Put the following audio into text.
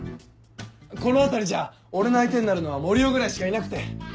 この辺りじゃ俺の相手になるのは森生ぐらいしかいなくて。